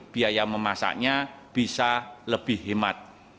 biaya memasaknya bisa lebih hemat